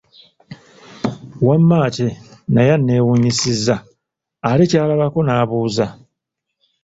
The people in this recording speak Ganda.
Wamma ate naye aneewunyisiza ate ky'alabako n'abuuza.